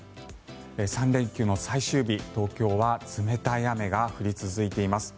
３連休の最終日、東京は冷たい雨が降り続いています。